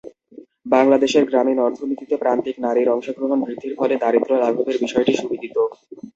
বাংলাদেশের গ্রামীণ অর্থনীতিতে প্রান্তিক নারীর অংশগ্রহণ বৃদ্ধির ফলে দারিদ্র্য লাঘবের বিষয়টি সুবিদিত।